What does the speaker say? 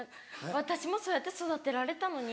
私もそうやって育てられたのに。